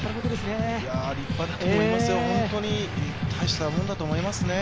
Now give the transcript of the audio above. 立派だと思いますよ、本当に大したものだと思いますね。